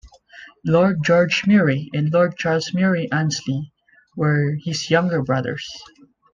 Lord George Murray and Lord Charles Murray-Aynsley were his younger brothers.